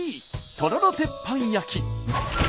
とろろ鉄板焼き。